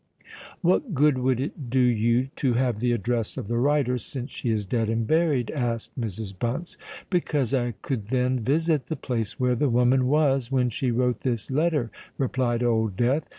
"What good would it do you to have the address of the writer, since she is dead and buried?" asked Mrs. Bunce. "Because I could then visit the place where the woman was when she wrote this letter," replied Old Death.